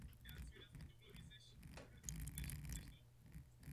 O den později však byli od konečného trestu zase osvobozeni.